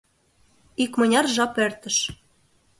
Икмыняр жап эртыш.